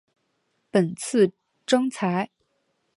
本次征才